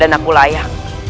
dan aku layak